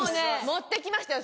持ってきましたよ